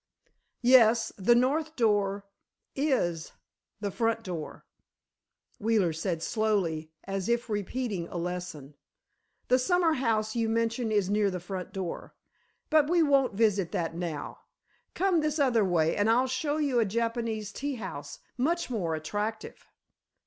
"Yes, the north door is the front door," Wheeler said slowly, as if repeating a lesson. "The summer house you mention is near the front door. But we won't visit that now. Come this other way, and I'll show you a Japanese tea house, much more attractive."